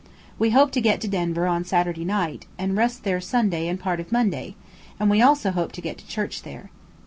We hope to get to Denver on Saturday night, and rest there Sunday and part of Monday, and we also hope to get to Church there.